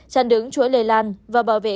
chặn đứng chuỗi lây lan và bảo vệ